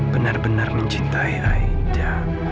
benar benar mencintai aida